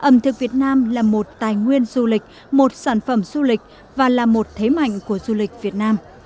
ẩm thực việt nam là một tài nguyên du lịch một sản phẩm du lịch và là một thế mạnh của du lịch việt nam